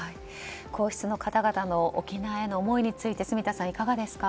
皇室の方々の沖縄への思いについて住田さん、いかがですか？